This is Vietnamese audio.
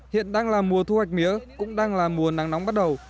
hiện đang là mùa thu hoạch mía cũng đang là mùa nắng nóng bắt đầu